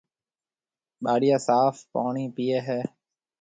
ٻاݪيا صاف پاڻِي پيئيَ ھيََََ